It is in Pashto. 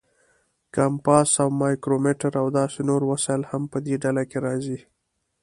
کمپاس او مایکرومیټر او داسې نور وسایل هم په دې ډله کې راځي.